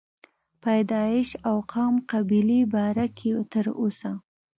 پيدائش او قام قبيلې باره کښې تر اوسه